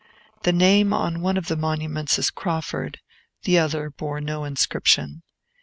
The name on one of the monuments is Crawfurd; the other bore no inscription.